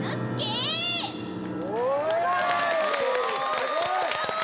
すごい！